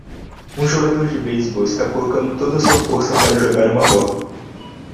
Um jogador de beisebol está colocando toda a sua força para jogar uma bola.